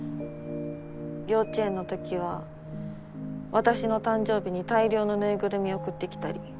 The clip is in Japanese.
幼稚園のときは私の誕生日に大量のぬいぐるみ送ってきたり。